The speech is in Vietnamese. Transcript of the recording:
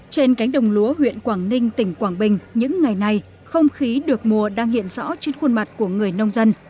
trên cánh đồng lúa huyện quảng ninh tỉnh quảng bình những ngày này không khí được mùa đang hiện rõ trên khuôn mặt của người nông dân